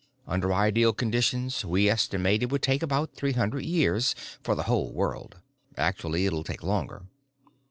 Under ideal conditions we estimate it would take about three hundred years for the whole world. Actually it'll take longer."